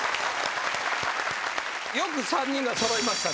よく３人が揃いましたね。